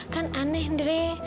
kan aneh ndre